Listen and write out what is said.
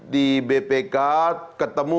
di bpk ketemu